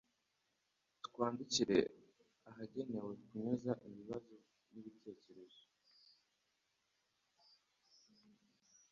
Twandikire ahagenewe kunyuza ibibazo n'ibitekerezo